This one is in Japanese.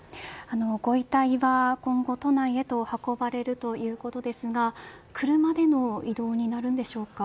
ご遺体は今後、都内へと運ばれるということですが車での移動になるんでしょうか。